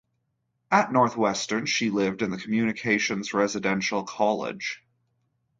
At Northwestern, she lived in the Communications Residential College.